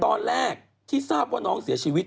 ตอนแรกที่ทราบว่าน้องเสียชีวิต